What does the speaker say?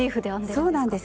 そうなんです。